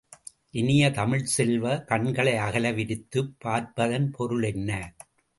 இனிய தமிழ்ச் செல்வ, கண்களை அகல விரித்துப் பார்ப்பதன் பொருள் என்ன?